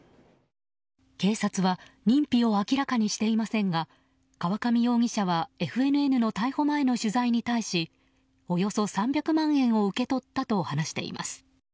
警察は認否を明らかにしていませんが河上容疑者はＦＮＮの逮捕前の取材に対しおよそ３００万円を受け取ったと話しています。